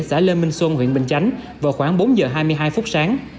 xã lê minh xuân huyện bình chánh vào khoảng bốn giờ hai mươi hai phút sáng